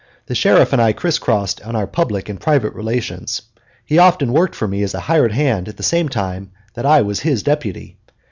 The sheriff and I crisscrossed in our public and private relations. He often worked for me as a hired hand at the same time that I was his deputy.